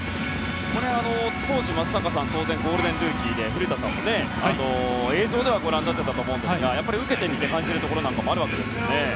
当時、松坂さんはゴールデンルーキーで古田さんも映像ではご覧になってたと思いますがやっぱり受けてみて感じるところもあるわけですよね。